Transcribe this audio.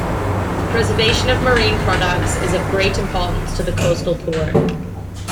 Preservation of marine products is of great importance to the coastal poor.